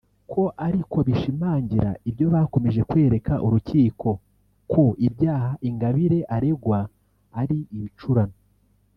ko ariko bishimangira ibyo bakomeje kwereka urukiko ko ibyaha Ingabire aregwa ari ibicurano